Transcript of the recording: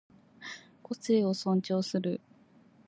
個性を尊重する